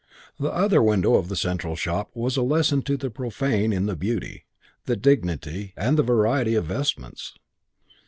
The other window of the central shop was a lesson to the profane in the beauty, the dignity and the variety of vestments.